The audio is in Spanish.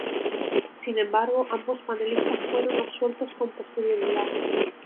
Sin embargo, ambos panelistas fueron absueltos con posterioridad.